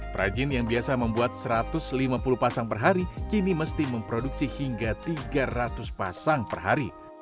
perajin yang biasa membuat satu ratus lima puluh pasang per hari kini mesti memproduksi hingga tiga ratus pasang per hari